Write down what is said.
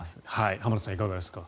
浜田さん、いかがですか？